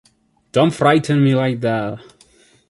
Don’t frighten me like that!